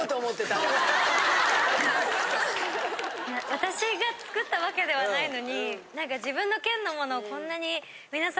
私が作ったわけではないのに。